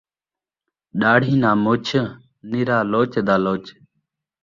ݙاڑھی ناں مُچھ ، نرا لُچ دا لُچ